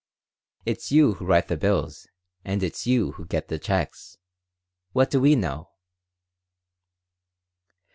"It's you who write the bills, and it's you who get the checks. What do we know?"